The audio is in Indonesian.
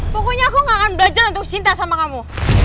pokoknya aku gak akan belajar untuk cinta sama kamu